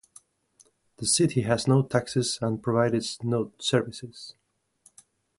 The city has no taxes and provides no services.